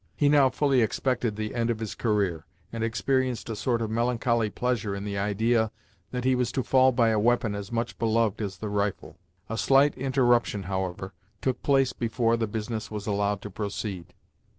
He now fully expected the end of his career, and experienced a sort of melancholy pleasure in the idea that he was to fall by a weapon as much beloved as the rifle. A slight interruption, however, took place before the business was allowed to proceed.